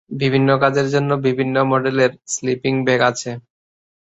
বিভিন্ন কাজের জন্য বিভিন্ন মডেলের স্লিপিং ব্যাগ আছে।